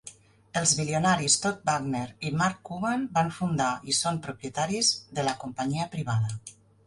Els bilionaris Todd Wagner i Mark Cuban van fundar i són propietaris de la companyia privada.